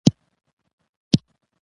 سبا ته عمومي رخصتي ده